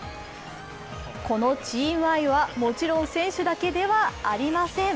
このチーム愛はもちろん選手だけではありません。